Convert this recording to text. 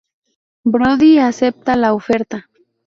Brody acepta la oferta.